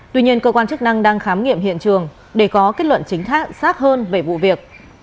tuy nhiên cơ quan chức năng đang khám nghiệm hiện trường để có kết luận chính xác hơn về vụ việc